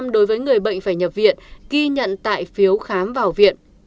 một trăm linh đối với người bệnh phải nhập viện ghi nhận tại phiếu khám vào viện